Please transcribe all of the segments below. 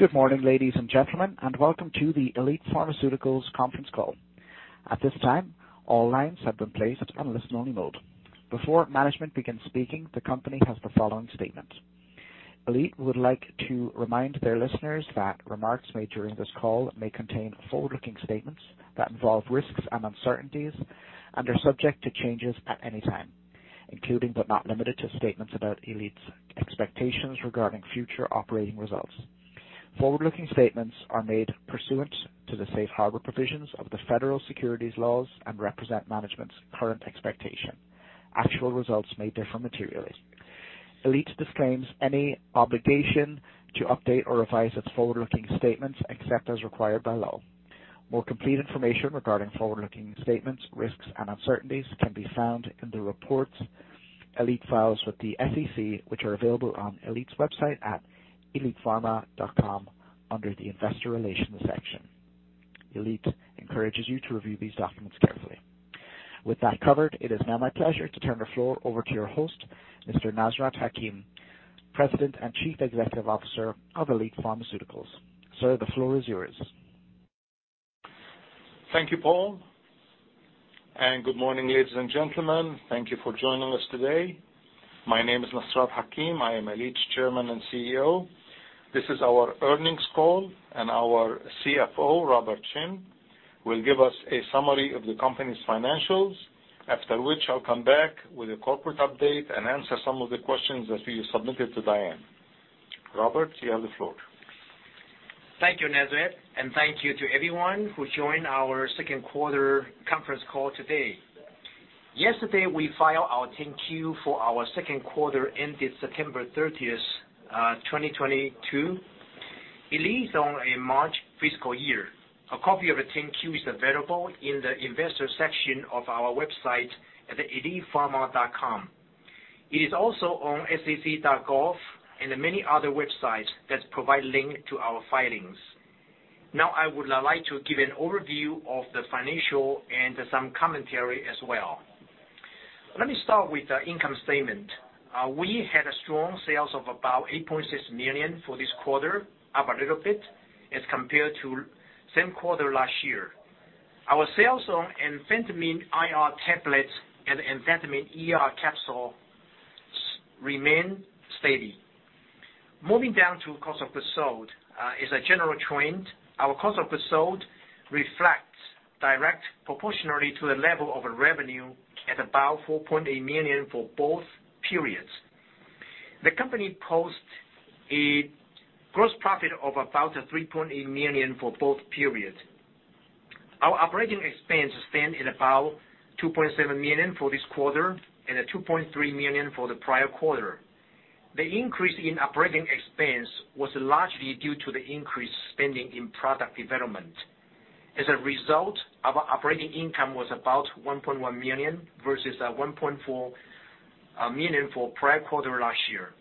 Good morning, ladies and gentlemen, and welcome to the Elite Pharmaceuticals conference call. At this time, all lines have been placed on listen-only mode. Before management begins speaking, the company has the following statement. Elite would like to remind their listeners that remarks made during this call may contain forward-looking statements that involve risks and uncertainties and are subject to changes at any time, including but not limited to statements about Elite's expectations regarding future operating results. Forward-looking statements are made pursuant to the Safe Harbor provisions of the Federal Securities Laws and represent management's current expectation. Actual results may differ materially. Elite disclaims any obligation to update or revise its forward-looking statements, except as required by law. More complete information regarding forward-looking statements, risks, and uncertainties can be found in the reports Elite files with the SEC, which are available on Elite's website at elitepharma.com under the Investor Relations section. Elite encourages you to review these documents carefully. With that covered, it is now my pleasure to turn the floor over to your host, Mr. Nasrat Hakim, President and Chief Executive Officer of Elite Pharmaceuticals. Sir, the floor is yours. Thank you, Paul, and good morning, ladies and gentlemen. Thank you for joining us today. My name is Nasrat Hakim. I am Elite's Chairman and CEO. This is our earnings call, and our CFO, Robert Chen, will give us a summary of the company's financials. After which, I'll come back with a corporate update and answer some of the questions that you submitted to Diane. Robert, you have the floor. Thank you, Nasrat, and thank you to everyone who joined our second quarter conference call today. Yesterday, we filed our 10-Q for our second quarter ended September 30th, 2022. Elite is on a March fiscal year. A copy of the 10-Q is available in the investor section of our website at elitepharma.com. It is also on sec.gov and many other websites that provide link to our filings. Now I would like to give an overview of the financial and some commentary as well. Let me start with the income statement. We had strong sales of about $8.6 million for this quarter, up a little bit as compared to same quarter last year. Our sales on Amphetamine IR tablets and Amphetamine ER capsules remain steady. Moving down to cost of goods sold. As a general trend, our cost of goods sold reflects directly proportional to the level of revenue at about $4.8 million for both periods. The company posts a gross profit of about $3.8 million for both periods. Our operating expense stand at about $2.7 million for this quarter and at $2.3 million for the prior quarter. The increase in operating expense was largely due to the increased spending in product development. As a result, our operating income was about $1.1 million versus $1.4 million for prior quarter last year.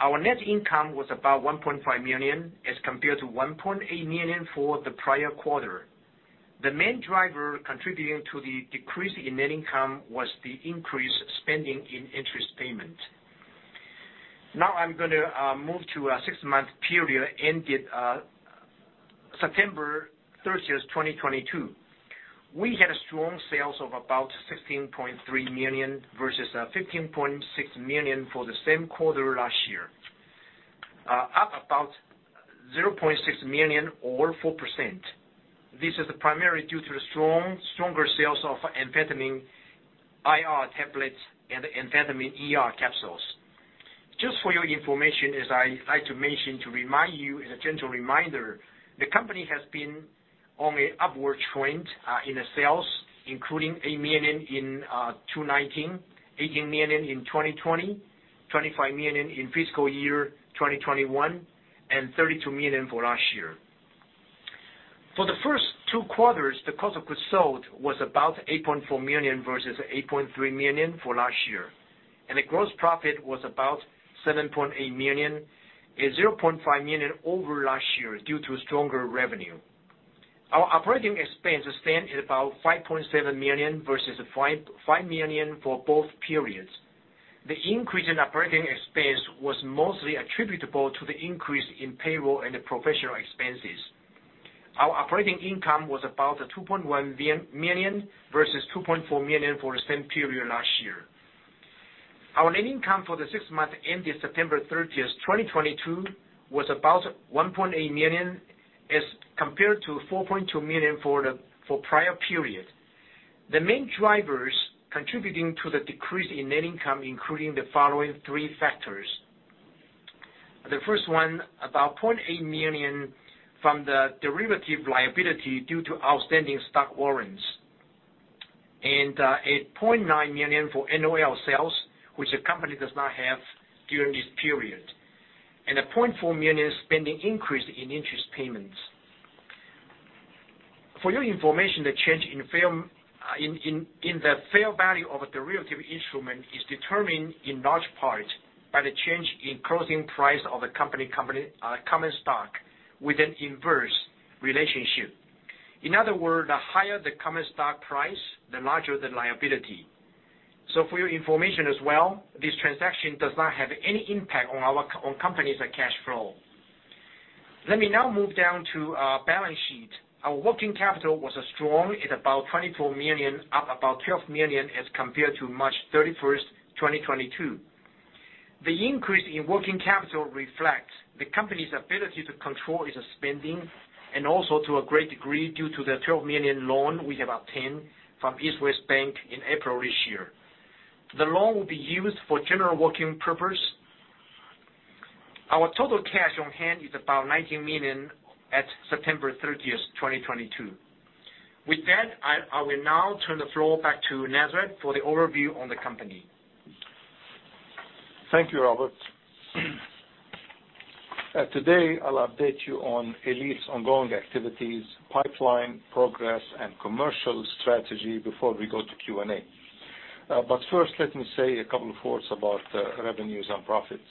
Our net income was about $1.5 million as compared to $1.8 million for the prior quarter. The main driver contributing to the decrease in net income was the increased spending in interest payment. Now I'm gonna move to the six-month period ended September 30, 2022. We had strong sales of about $16.3 million versus $15.6 million for the same quarter last year, up about $0.6 million or 4%. This is primarily due to stronger sales of Amphetamine IR tablets and Amphetamine ER capsules. Just for your information, as I like to mention, to remind you as a gentle reminder, the company has been on an upward trend in the sales, including $8 million in 2019, $18 million in 2020, $25 million in fiscal year 2021, and $32 million for last year. For the first two quarters, the cost of goods sold was about $8.4 million versus $8.3 million for last year, and the gross profit was about $7.8 million, $0.5 million over last year due to stronger revenue. Our operating expense stand at about $5.7 million versus $5.5 million for both periods. The increase in operating expense was mostly attributable to the increase in payroll and the professional expenses. Our operating income was about $2.1 million versus $2.4 million for the same period last year. Our net income for the six months ending September 30th, 2022 was about $1.8 million as compared to $4.2 million for prior period. The main drivers contributing to the decrease in net income including the following three factors. The first one, about $0.8 million from the derivative liability due to outstanding stock warrants, and a $0.9 million for NOL sales, which the company does not have during this period, and a $0.4 million spending increase in interest payments. For your information, the change in fair value of a derivative instrument is determined in large part by the change in closing price of the company common stock with an inverse relationship. In other words, the higher the common stock price, the larger the liability. For your information as well, this transaction does not have any impact on our company's cash flow. Let me now move down to our balance sheet. Our working capital was strong at about $24 million, up about $12 million as compared to March 31st, 2022. The increase in working capital reflects the company's ability to control its spending and also to a great degree due to the $12 million loan we have obtained from East West Bank in April this year. The loan will be used for general working purpose. Our total cash on hand is about $19 million at September 30th, 2022. With that, I will now turn the floor back to Nasrat for the overview on the company. Thank you, Robert. Today, I'll update you on Elite's ongoing activities, pipeline, progress, and commercial strategy before we go to Q&A. First, let me say a couple of words about revenues and profits.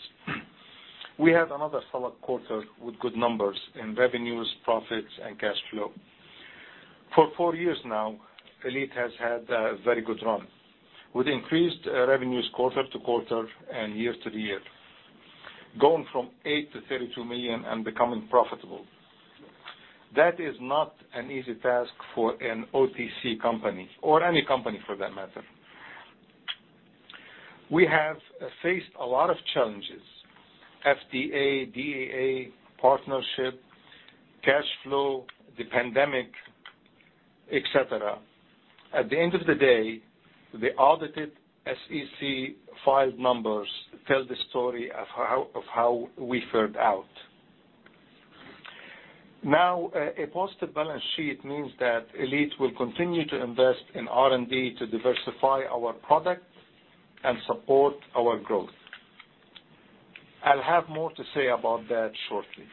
We had another solid quarter with good numbers in revenues, profits, and cash flow. For four years now, Elite has had a very good run, with increased revenues quarter to quarter and year to year, going from $8 million to $32 million and becoming profitable. That is not an easy task for an OTC company or any company for that matter. We have faced a lot of challenges, FDA, DEA, partnership, cash flow, the pandemic, et cetera. At the end of the day, the audited SEC filed numbers tell the story of how we fared out. Now, a positive balance sheet means that Elite will continue to invest in R&D to diversify our products and support our growth. I'll have more to say about that shortly.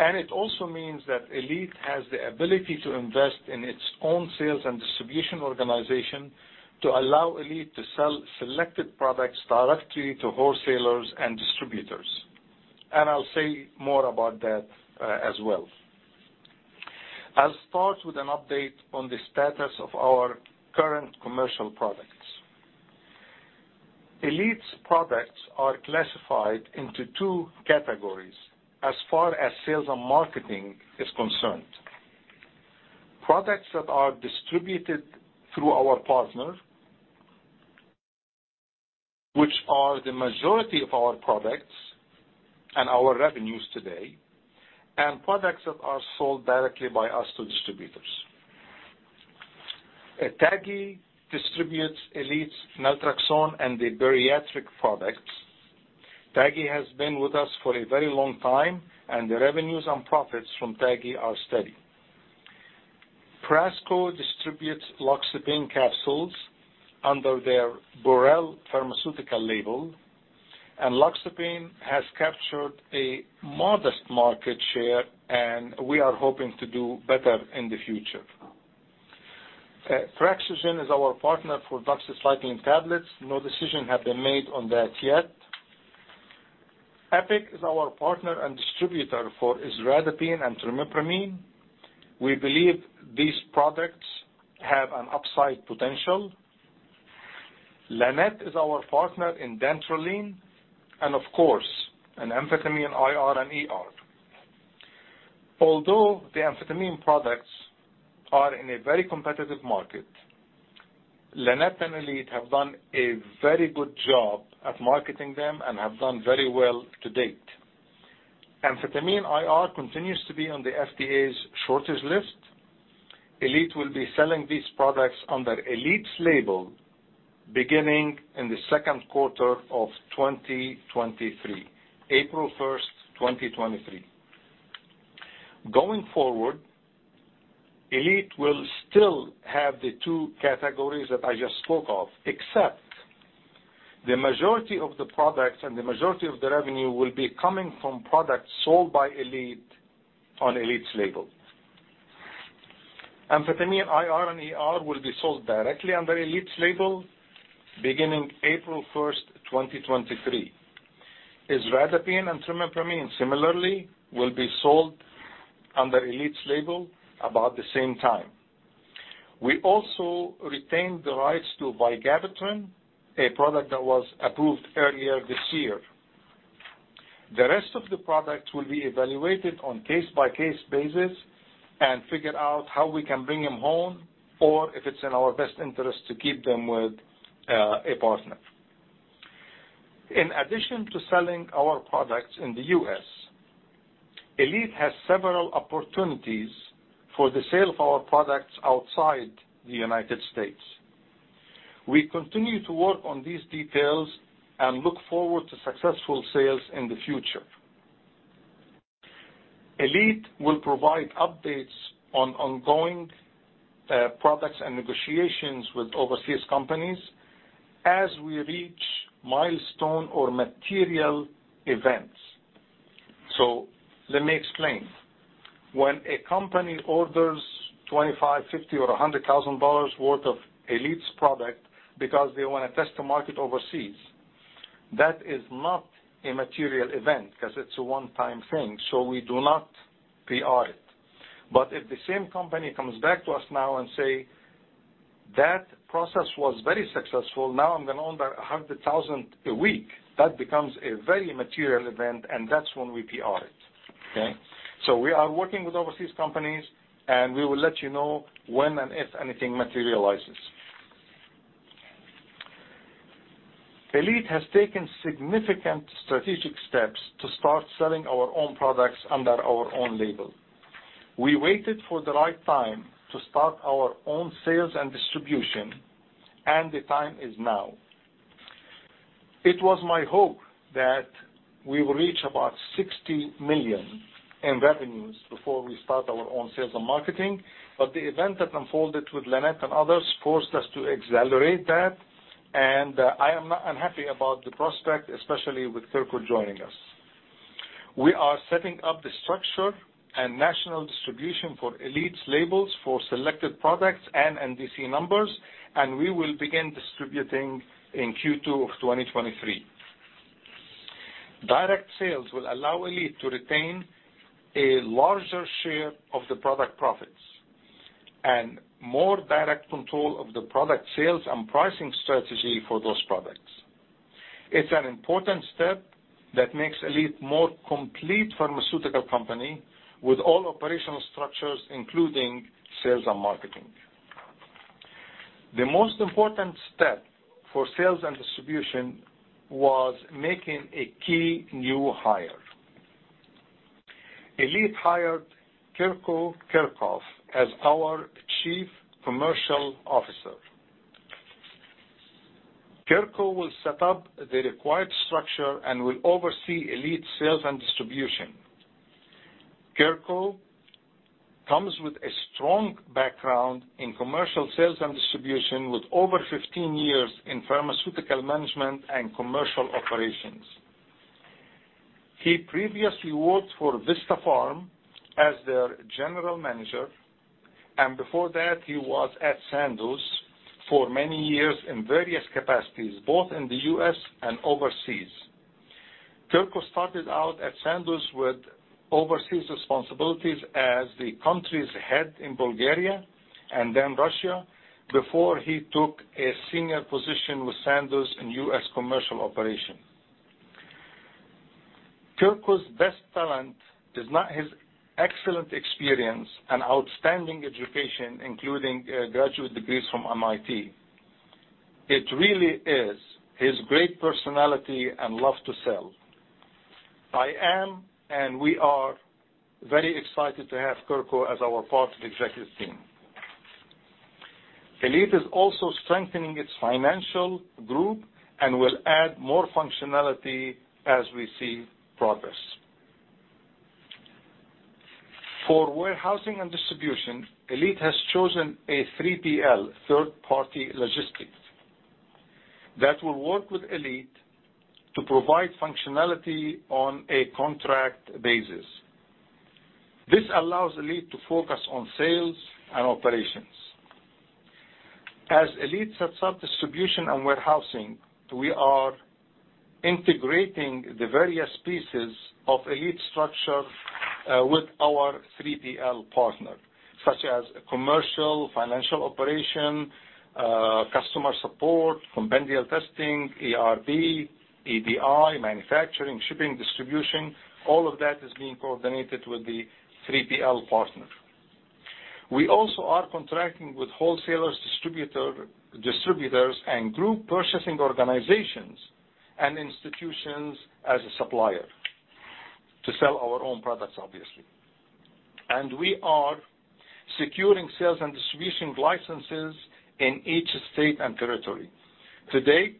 It also means that Elite has the ability to invest in its own sales and distribution organization to allow Elite to sell selected products directly to wholesalers and distributors. I'll say more about that, as well. I'll start with an update on the status of our current commercial products. Elite's products are classified into two categories as far as sales and marketing is concerned. Products that are distributed through our partner, which are the majority of our products and our revenues today, and products that are sold directly by us to distributors. TAGI distributes Elite's naltrexone and the bariatric products. TAGI has been with us for a very long time, and the revenues and profits from TAGI are steady. Prasco distributes loxapine capsules under their Burel pharmaceutical label, and loxapine has captured a modest market share, and we are hoping to do better in the future. Praxgen is our partner for doxycycline tablets. No decision has been made on that yet. Epic is our partner and distributor for isradipine and trimipramine. We believe these products have an upside potential. Lannett is our partner in dantrolene and of course, in Amphetamine IR and ER. Although the amphetamine products are in a very competitive market, Lannett and Elite have done a very good job at marketing them and have done very well to date. Amphetamine IR continues to be on the FDA's shortage list. Elite will be selling these products under Elite's label beginning in the second quarter of 2023, April 1st, 2023. Going forward, Elite will still have the two categories that I just spoke of, except the majority of the products and the majority of the revenue will be coming from products sold by Elite on Elite's label. Amphetamine IR and ER will be sold directly under Elite's label beginning April 1st, 2023. Isradipine and trimipramine similarly will be sold under Elite's label about the same time. We also retained the rights to vigabatrin, a product that was approved earlier this year. The rest of the products will be evaluated on case-by-case basis and figure out how we can bring them home or if it's in our best interest to keep them with a partner. In addition to selling our products in the U.S., Elite has several opportunities for the sale of our products outside the United States. We continue to work on these details and look forward to successful sales in the future. Elite will provide updates on ongoing products and negotiations with overseas companies as we reach milestone or material events. Let me explain. When a company orders $25, $50, or $100,000 worth of Elite's product because they wanna test the market overseas. That is not a material event 'cause it's a one-time thing, so we do not PR it. But if the same company comes back to us now and say, "That process was very successful. Now I'm gonna order 100,000 a week," that becomes a very material event, and that's when we PR it. Okay? We are working with overseas companies, and we will let you know when and if anything materializes. Elite has taken significant strategic steps to start selling our own products under our own label. We waited for the right time to start our own sales and distribution, and the time is now. It was my hope that we will reach about $60 million in revenues before we start our own sales and marketing, but the event that unfolded with Lannett and others forced us to accelerate that, and I am not unhappy about the prospect, especially with Kirko joining us. We are setting up the structure and national distribution for Elite's labels for selected products and NDC numbers, and we will begin distributing in Q2 of 2023. Direct sales will allow Elite to retain a larger share of the product profits and more direct control of the product sales and pricing strategy for those products. It's an important step that makes Elite more complete pharmaceutical company with all operational structures, including sales and marketing. The most important step for sales and distribution was making a key new hire. Elite hired Kirko Kirkov as our Chief Commercial Officer. Kirko will set up the required structure and will oversee Elite sales and distribution. Kirko comes with a strong background in commercial sales and distribution with over 15 years in pharmaceutical management and commercial operations. He previously worked for VistaPharm as their general manager, and before that, he was at Sandoz for many years in various capacities, both in the U.S. and overseas. Kirko started out at Sandoz with overseas responsibilities as the country's head in Bulgaria and then Russia before he took a senior position with Sandoz in U.S. commercial operation. Kirko's best talent is not his excellent experience and outstanding education, including graduate degrees from MIT. It really is his great personality and love to sell. I am, and we are very excited to have Kirko as our part of the executive team. Elite is also strengthening its financial group and will add more functionality as we see progress. For warehousing and distribution, Elite has chosen a 3PL, third-party logistics, that will work with Elite to provide functionality on a contract basis. This allows Elite to focus on sales and operations. As Elite sets up distribution and warehousing, we are integrating the various pieces of Elite structure with our 3PL partner, such as commercial, financial operation, customer support, compendial testing, ERP, EDI, manufacturing, shipping, distribution. All of that is being coordinated with the 3PL partner. We also are contracting with wholesalers, distributors, and group purchasing organizations and institutions as a supplier to sell our own products, obviously. We are securing sales and distribution licenses in each state and territory. To date,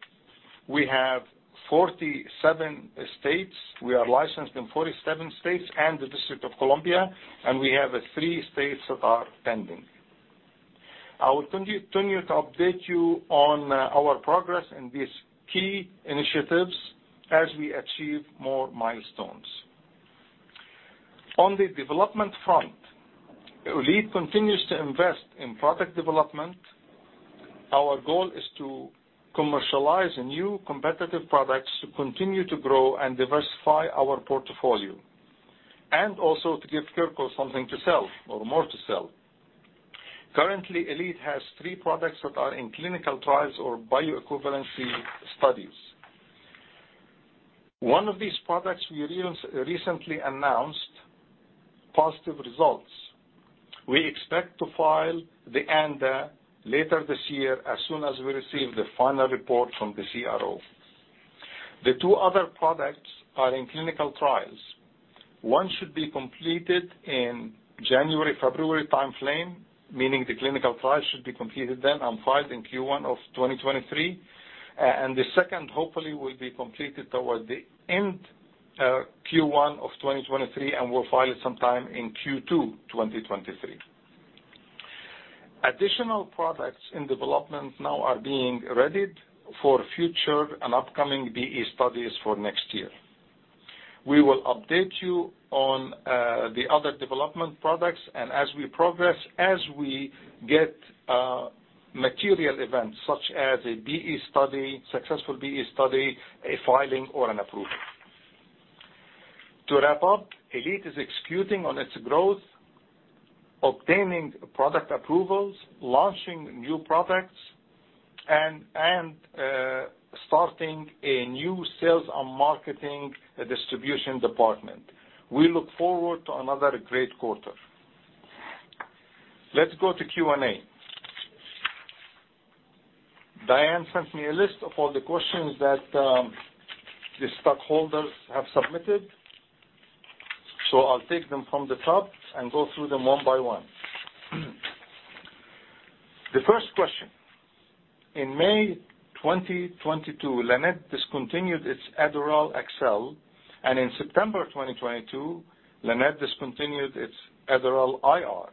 we have 47 states. We are licensed in 47 states and the District of Columbia, and we have three states that are pending. I will continue to update you on our progress in these key initiatives as we achieve more milestones. On the development front, Elite continues to invest in product development. Our goal is to commercialize new competitive products to continue to grow and diversify our portfolio and also to give Kirko something to sell or more to sell. Currently, Elite has three products that are in clinical trials or bioequivalence studies. One of these products we recently announced positive results. We expect to file the ANDA later this year as soon as we receive the final report from the CRO. The two other products are in clinical trials. One should be completed in January, February timeframe, meaning the clinical trial should be completed then and filed in Q1 of 2023. The second hopefully will be completed toward the end, Q1 of 2023, and we'll file it sometime in Q2 2023. Additional products in development now are being readied for future and upcoming BE studies for next year. We will update you on, the other development products and as we progress, as we get, material events such as a BE study, successful BE study, a filing, or an approval. To wrap up, Elite is executing on its growth, obtaining product approvals, launching new products, and starting a new sales and marketing distribution department. We look forward to another great quarter. Let's go to Q&A. Diane sent me a list of all the questions that, the stockholders have submitted, so I'll take them from the top and go through them one by one. The first question. In May 2022, Lannett discontinued its Adderall XR, and in September 2022, Lannett discontinued its Adderall IR.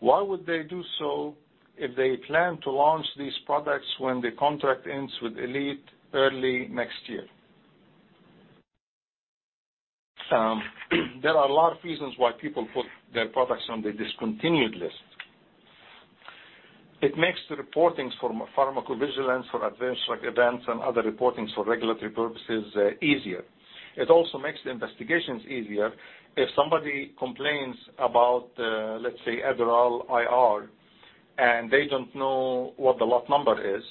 Why would they do so if they plan to launch these products when the contract ends with Elite early next year? There are a lot of reasons why people put their products on the discontinued list. It makes the reportings for pharmacovigilance, for adverse events, and other reportings for regulatory purposes easier. It also makes the investigations easier. If somebody complains about, let's say Adderall IR, and they don't know what the lot number is,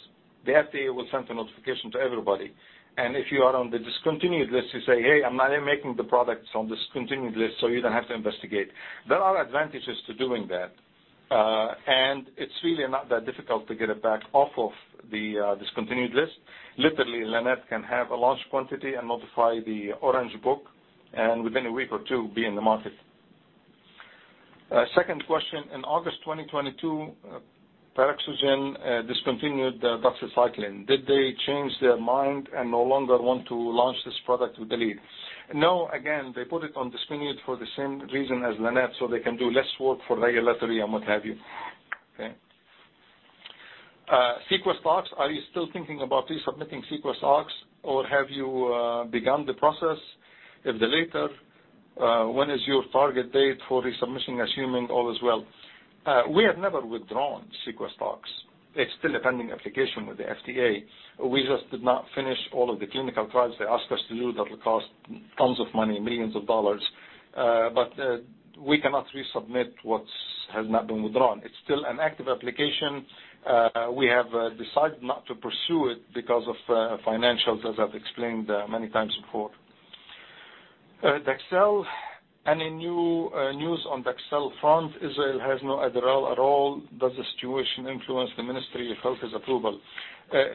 the FDA will send a notification to everybody. If you are on the discontinued list, you say, "Hey, I'm not making the products on discontinued list," so you don't have to investigate. There are advantages to doing that. It's really not that difficult to get it back off of the discontinued list. Literally, Lannett can have a large quantity and notify the Orange Book, and within a week or two, be in the market. Second question. In August 2022, Praxgen discontinued doxycycline. Did they change their mind and no longer want to launch this product with Elite? No. Again, they put it on discontinued for the same reason as Lannett, so they can do less work for regulatory and what have you. Okay? SequestOx. Are you still thinking about resubmitting SequestOx or have you begun the process? If the latter, when is your target date for resubmission, assuming all is well? We have never withdrawn SequestOx. It's still a pending application with the FDA. We just did not finish all of the clinical trials they asked us to do. That will cost tons of money, millions of dollars. We cannot resubmit what has not been withdrawn. It's still an active application. We have decided not to pursue it because of financials, as I've explained many times before. Dexcel. Any new news on Dexcel front, Israel has no Adderall at all. Does the situation influence the Ministry of Health's approval?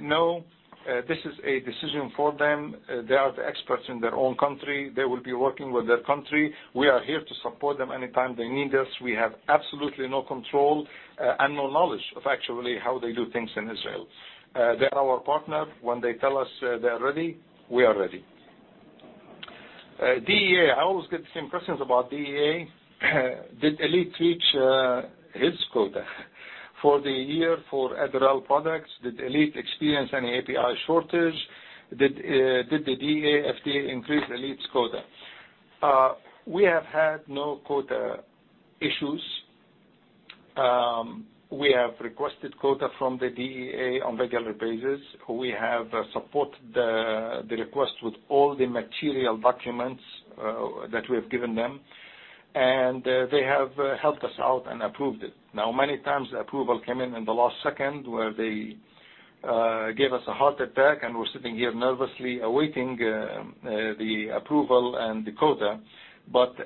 No. This is a decision for them. They are the experts in their own country. They will be working with their country. We are here to support them anytime they need us. We have absolutely no control and no knowledge of actually how they do things in Israel. They're our partner. When they tell us they are ready, we are ready. DEA. I always get the same questions about DEA. Did Elite reach its quota for the year for Adderall products? Did Elite experience any API shortage? Did the DEA, FDA increase Elite's quota? We have had no quota issues. We have requested quota from the DEA on regular basis. We have supported the request with all the material documents that we have given them, and they have helped us out and approved it. Now, many times the approval came in the last second, where they gave us a heart attack, and we're sitting here nervously awaiting the approval and the quota.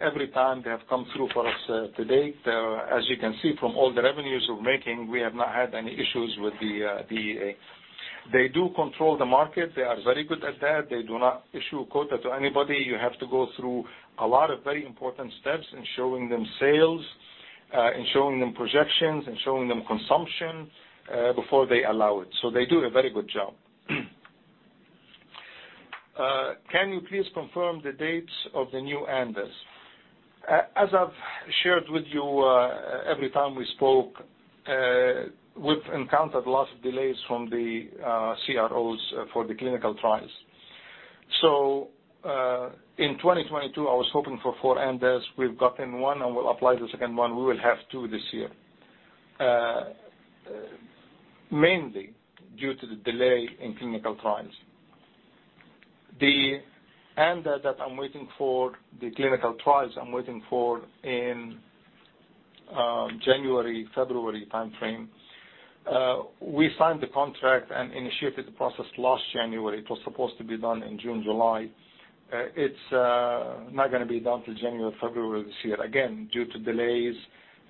Every time they have come through for us to date. As you can see from all the revenues we're making, we have not had any issues with the DEA. They do control the market. They are very good at that. They do not issue a quota to anybody. You have to go through a lot of very important steps in showing them sales, in showing them projections, in showing them consumption, before they allow it. They do a very good job. Can you please confirm the dates of the new ANDAs? As I've shared with you, every time we spoke, we've encountered lots of delays from the CROs for the clinical trials. In 2022, I was hoping for four ANDAs. We've gotten one and we'll apply the second one. We will have two this year. Mainly due to the delay in clinical trials. The ANDA that I'm waiting for, the clinical trials I'm waiting for in January, February timeframe, we signed the contract and initiated the process last January. It was supposed to be done in June, July. It's not gonna be done till January, February this year, again, due to delays,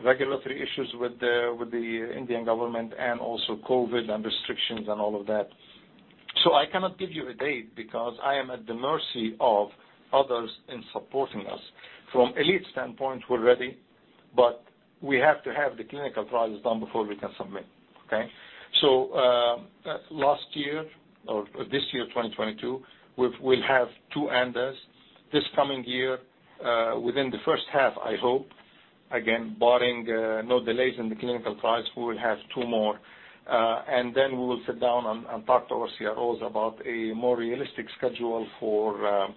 regulatory issues with the Indian government and also COVID and restrictions and all of that. I cannot give you a date because I am at the mercy of others in supporting us. From Elite's standpoint, we're ready, but we have to have the clinical trials done before we can submit. Okay. Last year or this year, 2022, we'll have two ANDAs. This coming year, within the first half, I hope. Barring no delays in the clinical trials, we will have two more, and then we will sit down and talk to our CROs about a more realistic schedule for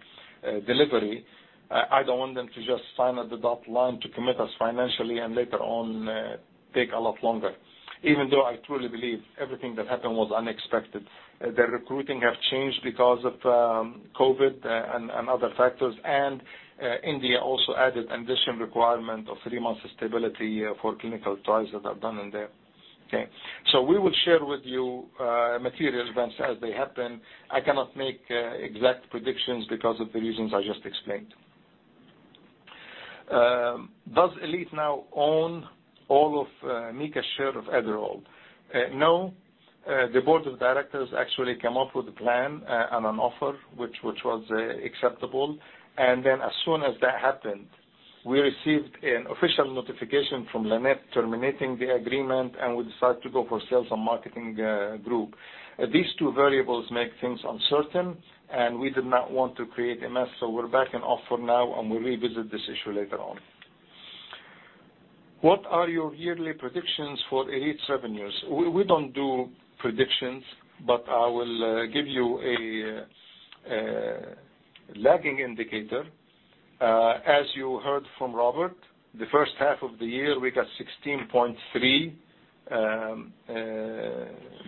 delivery. I don't want them to just sign on the dotted line to commit us financially and later on, take a lot longer, even though I truly believe everything that happened was unexpected. The recruiting have changed because of COVID and other factors, and India also added an additional requirement of three months stability for clinical trials that are done in there. Okay. We will share with you material events as they happen. I cannot make exact predictions because of the reasons I just explained. Does Elite now own all of Mikah's share of Adderall? No. The board of directors actually came up with a plan and an offer which was acceptable. As soon as that happened, we received an official notification from Lannett terminating the agreement, and we decided to go for sales and marketing group. These two variables make things uncertain, and we did not want to create a mess, so we're backing off for now, and we'll revisit this issue later on. What are your yearly predictions for Elite's revenues? We don't do predictions, but I will give you a lagging indicator. As you heard from Robert, the first half of the year, we got $16.3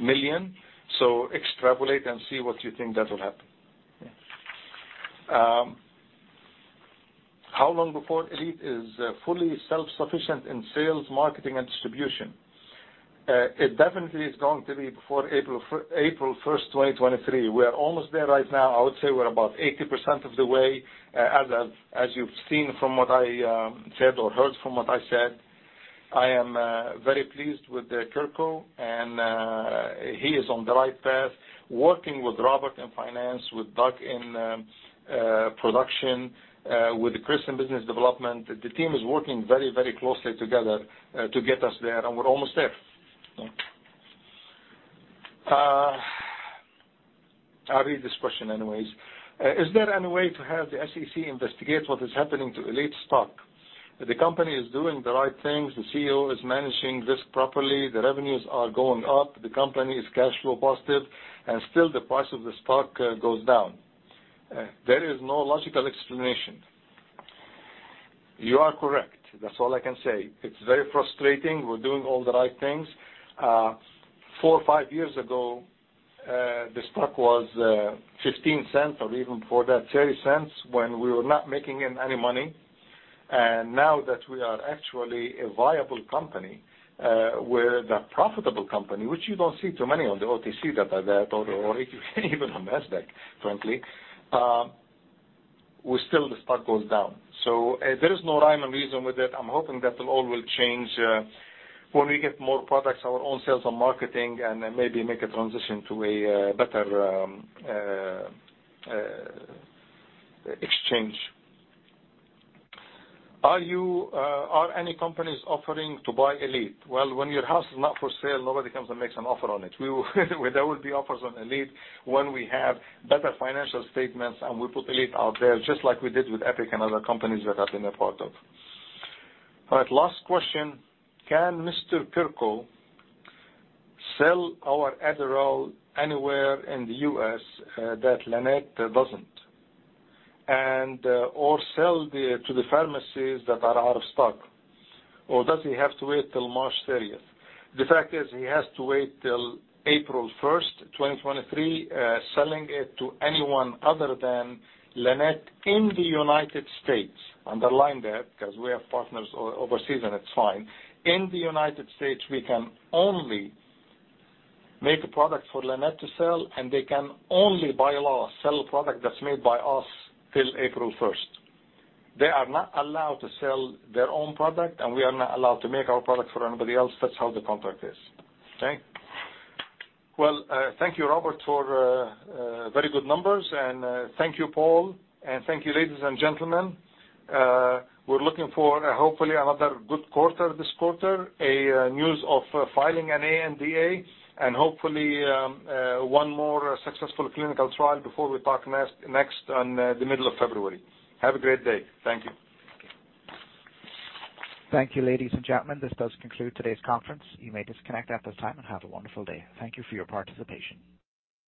million. Extrapolate and see what you think that will happen. How long before Elite is fully self-sufficient in sales, marketing, and distribution? It definitely is going to be before April 1st, 2023. We're almost there right now. I would say we're about 80% of the way as you've seen from what I said or heard from what I said. I am very pleased with Kirko and he is on the right path. Working with Robert in finance, with Doug in production, with Chris in business development. The team is working very, very closely together to get us there, and we're almost there. I'll read this question anyways. Is there any way to have the SEC investigate what is happening to Elite's stock? The company is doing the right things. The CEO is managing risk properly. The revenues are going up. The company is cash flow positive, and still the price of the stock goes down. There is no logical explanation. You are correct. That's all I can say. It's very frustrating. We're doing all the right things. Four or five years ago, the stock was $0.15 or even before that $0.30 when we were not making any money. Now that we are actually a viable company, we're a profitable company, which you don't see too many on the OTC that are that or even on Nasdaq, frankly. We still, the stock goes down. There is no rhyme and reason with it. I'm hoping that all will change when we get more products, our own sales and marketing, and then maybe make a transition to a better exchange. Are any companies offering to buy Elite? Well, when your house is not for sale, nobody comes and makes an offer on it. There will be offers on Elite when we have better financial statements, and we put Elite out there just like we did with Epic and other companies that I've been a part of. All right, last question. Can Mr. Kirko Kirkov sell our Adderall anywhere in the U.S. that Lannett doesn't and or sell to the pharmacies that are out of stock, or does he have to wait till March 30th? The fact is, he has to wait till April 1st, 2023, selling it to anyone other than Lannett in the United States. Underline that, because we have partners overseas, and it's fine. In the United States, we can only make a product for Lannett to sell, and they can only by law sell a product that's made by us till April 1st. They are not allowed to sell their own product, and we are not allowed to make our product for anybody else. That's how the contract is. Okay. Well, thank you, Robert, for very good numbers. Thank you, Paul, and thank you, ladies and gentlemen. We're looking for, hopefully, another good quarter this quarter, news of filing an ANDA and hopefully one more successful clinical trial before we talk next on the middle of February. Have a great day. Thank you. Thank you, ladies and gentlemen. This does conclude today's conference. You may disconnect at this time and have a wonderful day. Thank you for your participation.